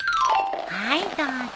はいどうぞ。